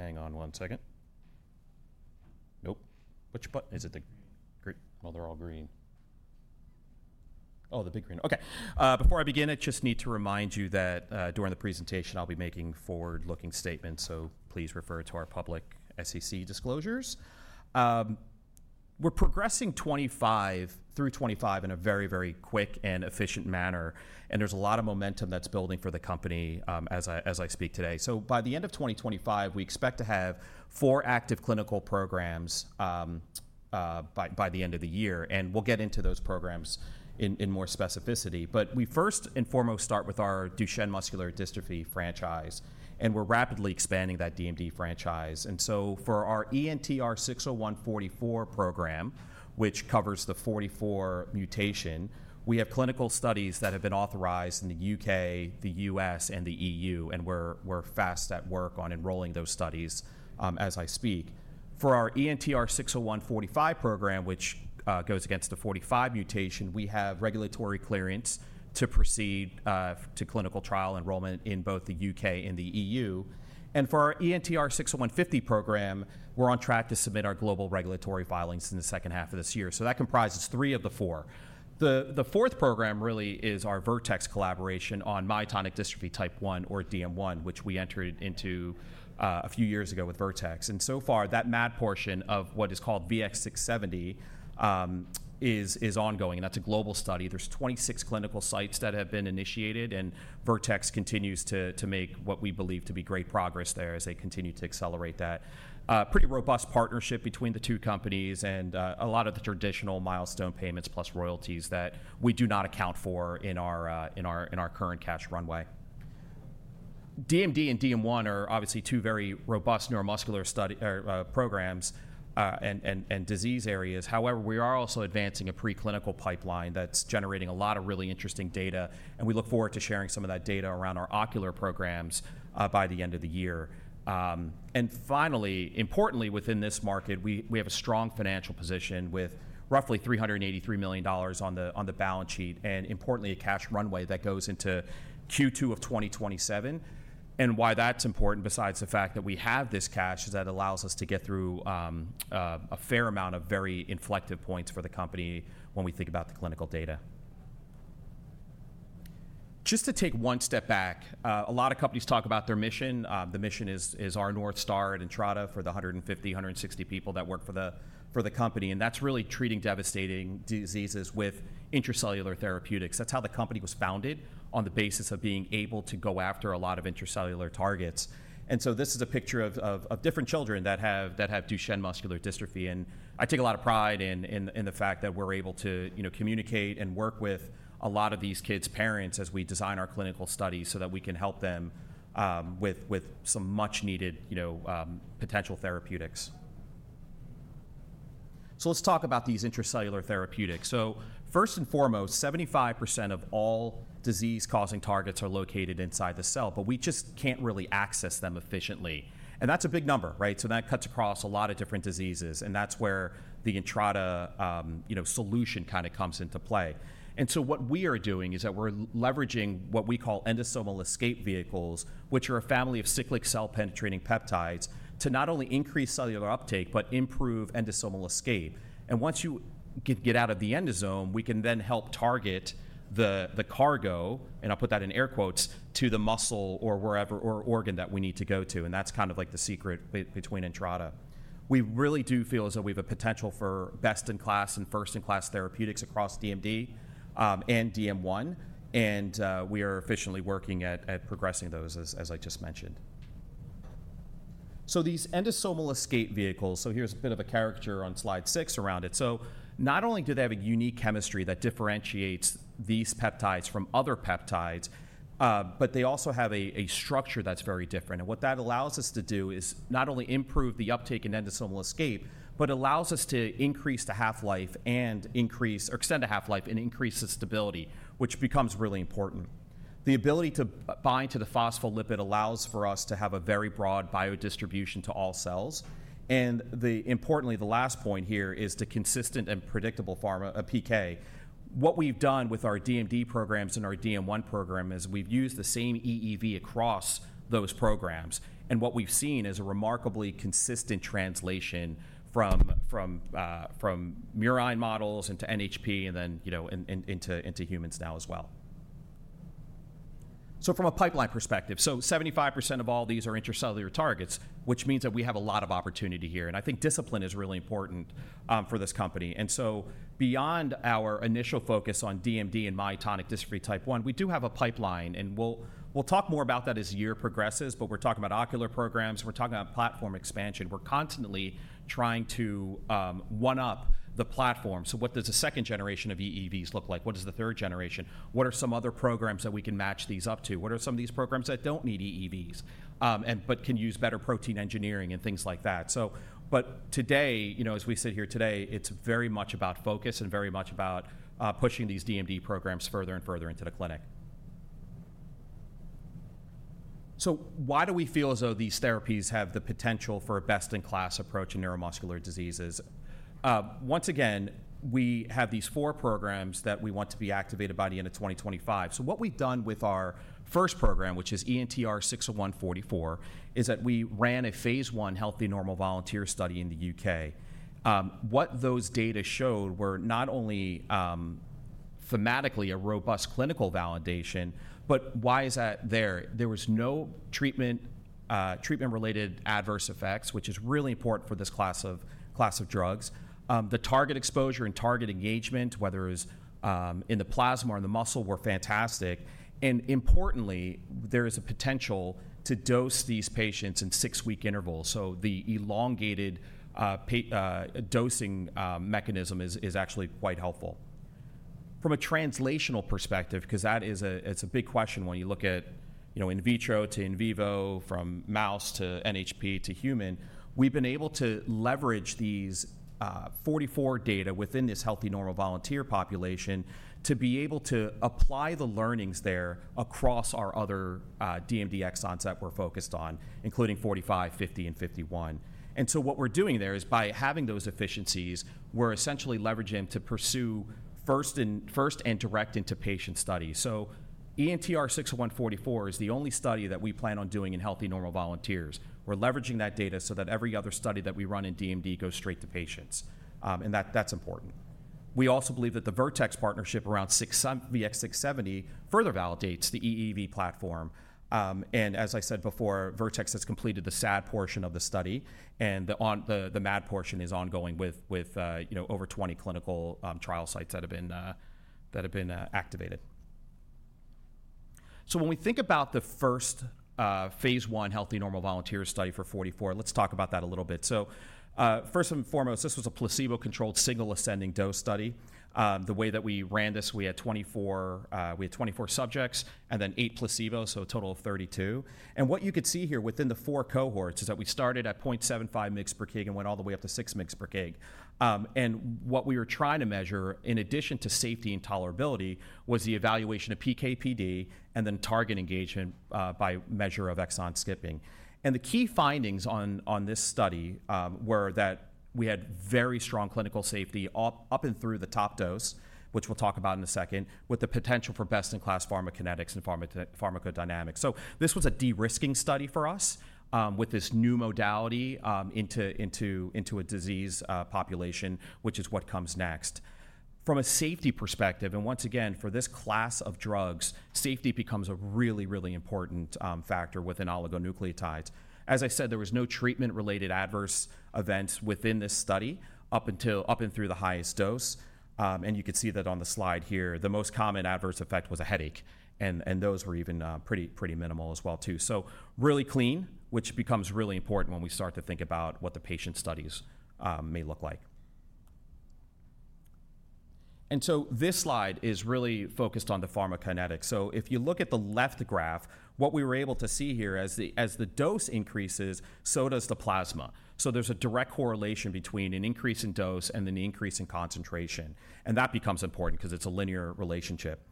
Hang on one second. Nope. Which button is it? The green. Great. They are all green. Oh, the big green. Okay. Before I begin, I just need to remind you that during the presentation, I'll be making forward-looking statements, so please refer to our public SEC disclosures. We are progressing through 2025 in a very, very quick and efficient manner, and there is a lot of momentum that is building for the company as I speak today. By the end of 2025, we expect to have four active clinical programs by the end of the year, and we will get into those programs in more specificity. We first and foremost start with our Duchenne muscular dystrophy franchise, and we are rapidly expanding that DMD franchise. For our ENTR-601-44 program, which covers the 44 mutation, we have clinical studies that have been authorized in the U.K., the U.S., and the EU, and we're fast at work on enrolling those studies as I speak. For our ENTR-601-45 program, which goes against the 45 mutation, we have regulatory clearance to proceed to clinical trial enrollment in both the U.K. and the EU. For our ENTR-601-50 program, we're on track to submit our global regulatory filings in the second half of this year. That comprises three of the four. The fourth program really is our Vertex collaboration on myotonic dystrophy type 1, or DM1, which we entered into a few years ago with Vertex. So far, that MAD portion of what is called VX-670 is ongoing, and that's a global study. There's 26 clinical sites that have been initiated, and Vertex continues to make what we believe to be great progress there as they continue to accelerate that. Pretty robust partnership between the two companies and a lot of the traditional milestone payments plus royalties that we do not account for in our current cash runway. DMD and DM1 are obviously two very robust neuromuscular programs and disease areas. However, we are also advancing a preclinical pipeline that's generating a lot of really interesting data, and we look forward to sharing some of that data around our ocular programs by the end of the year. Finally, importantly, within this market, we have a strong financial position with roughly $383 million on the balance sheet and, importantly, a cash runway that goes into Q2 of 2027. Why that's important, besides the fact that we have this cash, is that it allows us to get through a fair amount of very inflective points for the company when we think about the clinical data. Just to take one step back, a lot of companies talk about their mission. The mission is our North Star at Entrada for the 150, 160 people that work for the company, and that's really treating devastating diseases with intracellular therapeutics. That's how the company was founded, on the basis of being able to go after a lot of intracellular targets. This is a picture of different children that have Duchenne muscular dystrophy, and I take a lot of pride in the fact that we're able to communicate and work with a lot of these kids' parents as we design our clinical studies so that we can help them with some much-needed potential therapeutics. Let's talk about these intracellular therapeutics. First and foremost, 75% of all disease-causing targets are located inside the cell, but we just can't really access them efficiently. That's a big number, right? That cuts across a lot of different diseases, and that's where the Entrada solution kind of comes into play. What we are doing is that we're leveraging what we call endosomal escape vehicles, which are a family of cyclic cell penetrating peptides, to not only increase cellular uptake but improve endosomal escape. Once you get out of the endosome, we can then help target the cargo, and I'll put that in air quotes, to the muscle or organ that we need to go to. That's kind of like the secret between Entrada. We really do feel as though we have a potential for best-in-class and first-in-class therapeutics across DMD and DM1, and we are efficiently working at progressing those, as I just mentioned. These endosomal escape vehicles, so here's a bit of a character on slide six around it. Not only do they have a unique chemistry that differentiates these peptides from other peptides, but they also have a structure that's very different. What that allows us to do is not only improve the uptake and endosomal escape, but it allows us to increase the half-life and increase or extend the half-life and increase the stability, which becomes really important. The ability to bind to the phospholipid allows for us to have a very broad biodistribution to all cells. Importantly, the last point here is the consistent and predictable PK. What we've done with our DMD programs and our DM1 program is we've used the same EEV across those programs, and what we've seen is a remarkably consistent translation from murine models into NHP and then into humans now as well. From a pipeline perspective, 75% of all these are intracellular targets, which means that we have a lot of opportunity here, and I think discipline is really important for this company. Beyond our initial focus on DMD and myotonic dystrophy type 1, we do have a pipeline, and we'll talk more about that as the year progresses, but we're talking about ocular programs, we're talking about platform expansion. We're constantly trying to one-up the platform. What does a second generation of EEVs look like? What does the third generation? What are some other programs that we can match these up to? What are some of these programs that do not need EEVs but can use better protein engineering and things like that? Today, as we sit here today, it's very much about focus and very much about pushing these DMD programs further and further into the clinic. Why do we feel as though these therapies have the potential for a best-in-class approach in neuromuscular diseases? Once again, we have these four programs that we want to be activated by the end of 2025. What we have done with our first program, which is ENTR-601-44, is that we ran a phase I healthy normal volunteer study in the U.K. What those data showed were not only thematically a robust clinical validation, but why is that there? There were no treatment-related adverse effects, which is really important for this class of drugs. The target exposure and target engagement, whether it was in the plasma or in the muscle, were fantastic. Importantly, there is a potential to dose these patients in six-week intervals, so the elongated dosing mechanism is actually quite helpful. From a translational perspective, because that is a big question when you look at in vitro to in vivo, from mouse to NHP to human, we've been able to leverage these 44 data within this healthy normal volunteer population to be able to apply the learnings there across our other DMD exons that we're focused on, including 45, 50, and 51. What we're doing there is by having those efficiencies, we're essentially leveraging them to pursue first and direct into patient studies. ENTR-601-44 is the only study that we plan on doing in healthy normal volunteers. We're leveraging that data so that every other study that we run in DMD goes straight to patients, and that's important. We also believe that the Vertex partnership around VX-670 further validates the EEV platform. As I said before, Vertex has completed the SAD portion of the study, and the MAD portion is ongoing with over 20 clinical trial sites that have been activated. When we think about the first phase I healthy normal volunteer study for 44, let's talk about that a little bit. First and foremost, this was a placebo-controlled signal ascending dose study. The way that we ran this, we had 24 subjects and then eight placebos, so a total of 32. What you could see here within the four cohorts is that we started at 0.75 mg per kg and went all the way up to 6 mg per kg. What we were trying to measure, in addition to safety and tolerability, was the evaluation of PK/PD and then target engagement by measure of exon skipping. The key findings on this study were that we had very strong clinical safety up and through the top dose, which we'll talk about in a second, with the potential for best-in-class pharmacokinetics and pharmacodynamics. This was a de-risking study for us with this new modality into a disease population, which is what comes next. From a safety perspective, and once again, for this class of drugs, safety becomes a really, really important factor within oligonucleotides. As I said, there was no treatment-related adverse events within this study up and through the highest dose, and you could see that on the slide here. The most common adverse effect was a headache, and those were even pretty minimal as well too. Really clean, which becomes really important when we start to think about what the patient studies may look like. This slide is really focused on the pharmacokinetics. If you look at the left graph, what we were able to see here is as the dose increases, so does the plasma. There is a direct correlation between an increase in dose and an increase in concentration, and that becomes important because it is a linear relationship.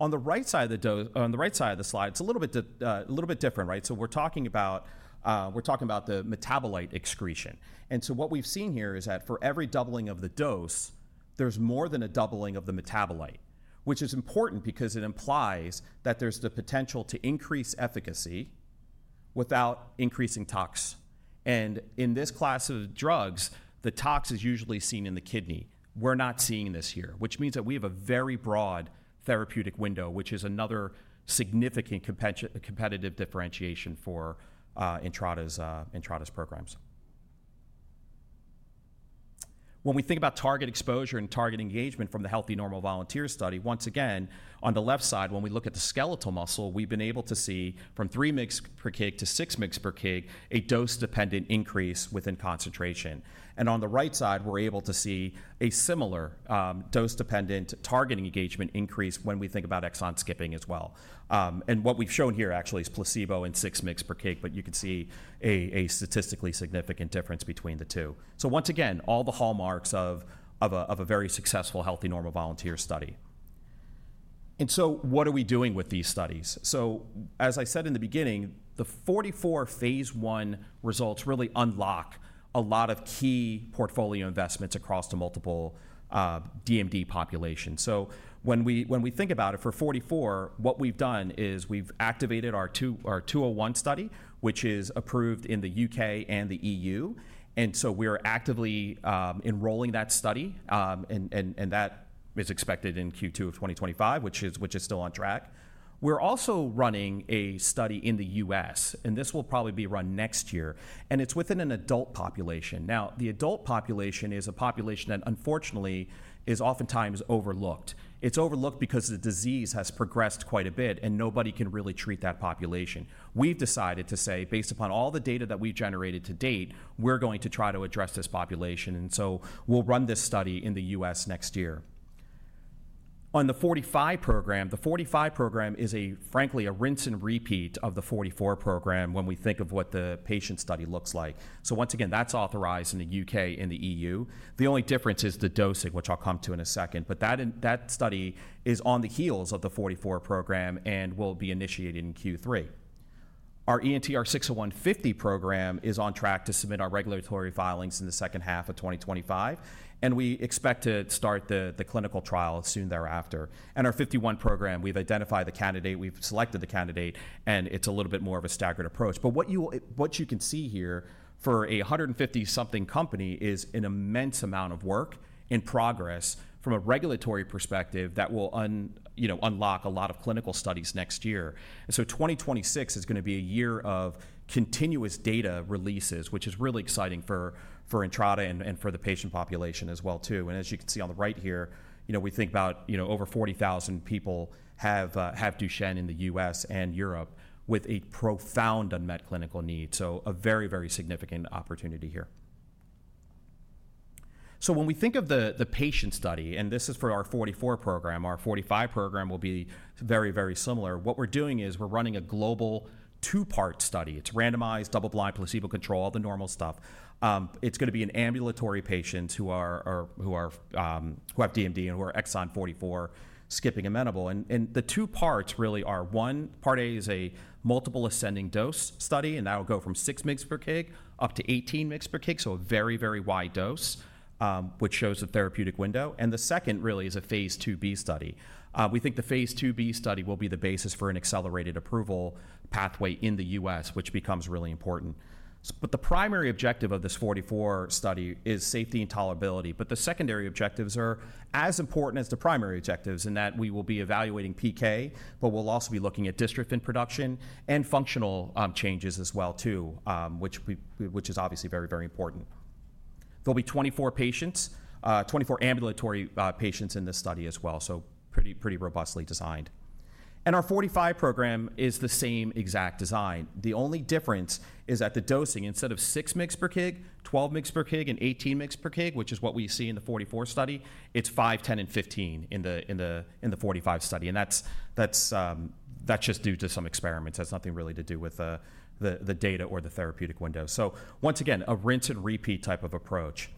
On the right side of the slide, it is a little bit different, right? We are talking about the metabolite excretion. What we have seen here is that for every doubling of the dose, there is more than a doubling of the metabolite, which is important because it implies that there is the potential to increase efficacy without increasing tox. In this class of drugs, the tox is usually seen in the kidney. We're not seeing this here, which means that we have a very broad therapeutic window, which is another significant competitive differentiation for Entrada's programs. When we think about target exposure and target engagement from the healthy normal volunteer study, once again, on the left side, when we look at the skeletal muscle, we've been able to see from 3 mg per kg to 6 mg per kg, a dose-dependent increase within concentration. On the right side, we're able to see a similar dose-dependent target engagement increase when we think about exon skipping as well. What we've shown here actually is placebo and 6 mg per kg, but you can see a statistically significant difference between the two. Once again, all the hallmarks of a very successful healthy normal volunteer study. What are we doing with these studies? As I said in the beginning, the 44 phase I results really unlock a lot of key portfolio investments across the multiple DMD populations. When we think about it for 44, what we've done is we've activated our 201 study, which is approved in the U.K. and the EU, and we are actively enrolling that study, and that is expected in Q2 of 2025, which is still on track. We're also running a study in the U.S., and this will probably be run next year, and it's within an adult population. Now, the adult population is a population that unfortunately is oftentimes overlooked. It's overlooked because the disease has progressed quite a bit, and nobody can really treat that population. We've decided to say, based upon all the data that we've generated to date, we're going to try to address this population, and so we'll run this study in the U.S. next year. On the 45 program, the 45 program is, frankly, a rinse and repeat of the 44 program when we think of what the patient study looks like. Once again, that's authorized in the U.K. and the EU. The only difference is the dosing, which I'll come to in a second, but that study is on the heels of the 44 program and will be initiated in Q3. Our ENTR-601-50 program is on track to submit our regulatory filings in the second half of 2025, and we expect to start the clinical trial soon thereafter. Our 51 program, we've identified the candidate, we've selected the candidate, and it's a little bit more of a staggered approach. What you can see here for a 150-something company is an immense amount of work in progress from a regulatory perspective that will unlock a lot of clinical studies next year. 2026 is going to be a year of continuous data releases, which is really exciting for Entrada and for the patient population as well too. As you can see on the right here, we think about over 40,000 people have Duchenne in the U.S. and Europe with a profound unmet clinical need, so a very, very significant opportunity here. When we think of the patient study, and this is for our 44 program, our 45 program will be very, very similar. What we're doing is we're running a global two-part study. It's randomized, double-blind, placebo-controlled, all the normal stuff. It's going to be in ambulatory patients who have DMD and who are exon 44 skipping amenable. The two parts really are, one, part A is a multiple ascending dose study, and that will go from 6 mg per kg up to 18 mg per kg, so a very, very wide dose, which shows the therapeutic window. The second really is a phase IIb study. We think the phase IIb study will be the basis for an accelerated approval pathway in the U.S., which becomes really important. The primary objective of this 44 study is safety and tolerability, but the secondary objectives are as important as the primary objectives in that we will be evaluating PK, but we'll also be looking at dystrophin production and functional changes as well too, which is obviously very, very important. There'll be 24 ambulatory patients in this study as well, so pretty robustly designed. Our 45 program is the same exact design. The only difference is that the dosing, instead of 6 mg per kg, 12 mg per kg, and 18 mg per kg, which is what we see in the 44 study, it's 5, 10, and 15 in the 45 study. That's just due to some experiments. That's nothing really to do with the data or the therapeutic window. Once again, a rinse and repeat type of approach.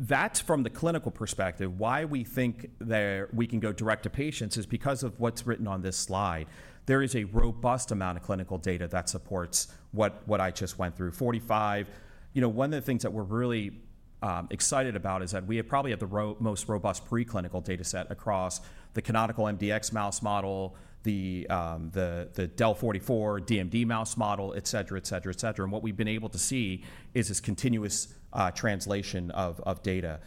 That's from the clinical perspective. Why we think that we can go direct to patients is because of what's written on this slide. There is a robust amount of clinical data that supports what I just went through. 45, one of the things that we're really excited about is that we probably have the most robust preclinical dataset across the canonical MDX mouse model, the DEL44 DMD mouse model, et cetera, et cetera, et cetera. What we've been able to see is this continuous translation of data.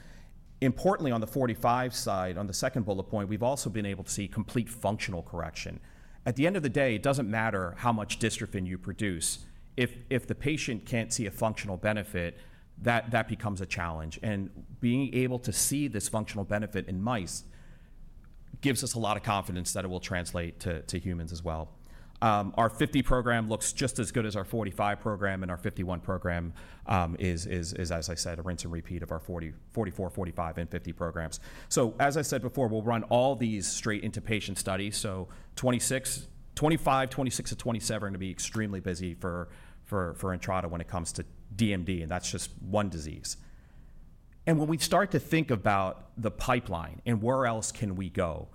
Importantly, on the 45 side, on the second bullet point, we've also been able to see complete functional correction. At the end of the day, it doesn't matter how much dystrophin you produce. If the patient can't see a functional benefit, that becomes a challenge. Being able to see this functional benefit in mice gives us a lot of confidence that it will translate to humans as well. Our 50 program looks just as good as our 45 program, and our 51 program is, as I said, a rinse and repeat of our 44, 45, and 50 programs. As I said before, we'll run all these straight into patient studies. 2025, 2026, and 2027 are going to be extremely busy for Entrada when it comes to DMD, and that's just one disease. When we start to think about the pipeline and where else can we go,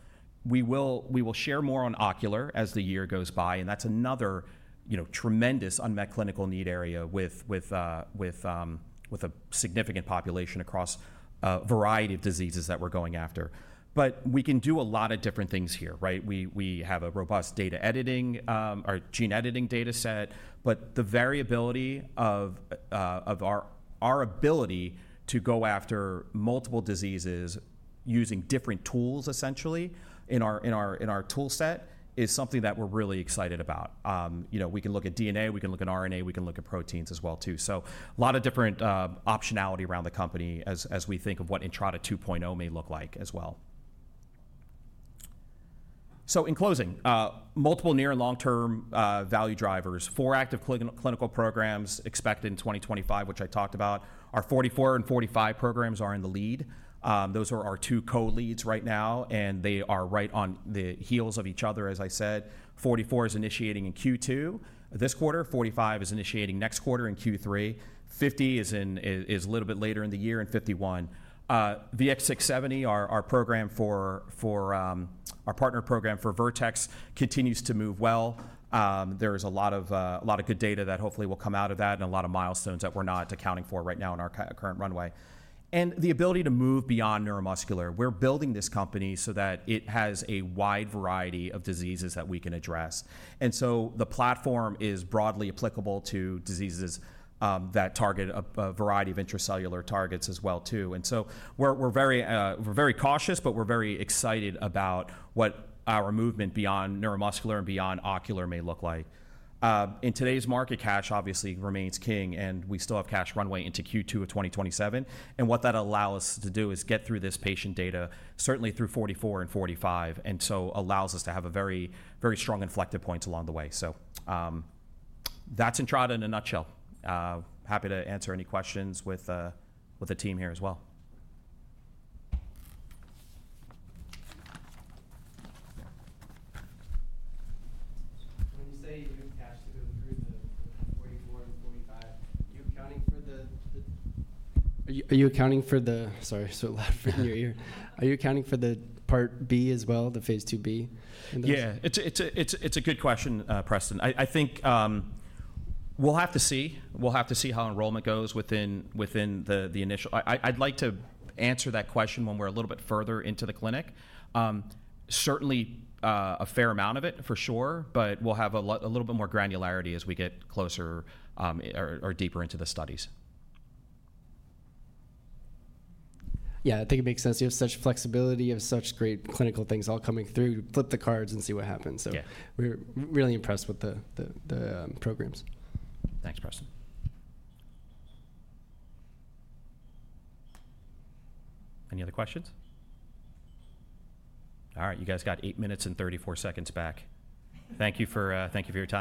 we will share more on ocular as the year goes by, and that's another tremendous unmet clinical need area with a significant population across a variety of diseases that we're going after. We can do a lot of different things here, right? We have a robust data editing, our gene editing dataset, but the variability of our ability to go after multiple diseases using different tools, essentially, in our toolset is something that we're really excited about. We can look at DNA, we can look at RNA, we can look at proteins as well too. A lot of different optionality around the company as we think of what Entrada 2.0 may look like as well. In closing, multiple near and long-term value drivers, four active clinical programs expected in 2025, which I talked about. Our 44 and 45 programs are in the lead. Those are our two co-leads right now, and they are right on the heels of each other, as I said. 44 is initiating in Q2 this quarter. 45 is initiating next quarter in Q3. 50 is a little bit later in the year in 51. VX-670, our partner program for Vertex, continues to move well. There is a lot of good data that hopefully will come out of that and a lot of milestones that we're not accounting for right now in our current runway. The ability to move beyond neuromuscular. We're building this company so that it has a wide variety of diseases that we can address. The platform is broadly applicable to diseases that target a variety of intracellular targets as well too. We're very cautious, but we're very excited about what our movement beyond neuromuscular and beyond ocular may look like. In today's market, cash obviously remains king, and we still have cash runway into Q2 of 2027. What that allows us to do is get through this patient data, certainly through 44 and 45, and allows us to have very strong inflected points along the way. That's Entrada in a nutshell. Happy to answer any questions with the team here as well. When you say you have cash to go through the 44 and 45, are you accounting for the—sorry, it's so loud in your ear. Are you accounting for the part B as well, the phase IIB? Yeah, it's a good question, Preston. I think we'll have to see. We'll have to see how enrollment goes within the initial. I'd like to answer that question when we're a little bit further into the clinic. Certainly a fair amount of it, for sure, but we'll have a little bit more granularity as we get closer or deeper into the studies. Yeah, I think it makes sense. You have such flexibility, you have such great clinical things all coming through. Flip the cards and see what happens. So we're really impressed with the programs. Thanks, Preston. Any other questions? All right, you guys got 8 minutes and 34 seconds back. Thank you for your time.